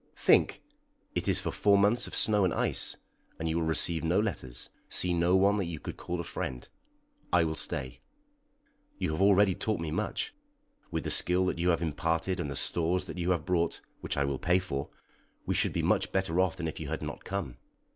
"Think! it is for four months of snow and ice, and you will receive no letters, see no one that you could call a friend." "I will stay." "You have already taught me much; with the skill that you have imparted and the stores that you have brought, which I will pay for, we should be much better off than if you had not come.